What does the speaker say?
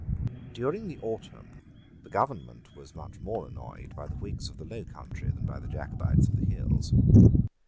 During the autumn the government was much more annoyed by the Whigs of the low country, than by the Jacobites of the hills.